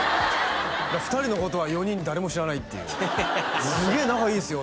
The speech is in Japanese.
２人のことは４人誰も知らないっていう「すげえ仲いいっすよ」